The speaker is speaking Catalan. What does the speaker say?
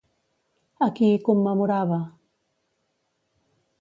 A qui hi commemorava?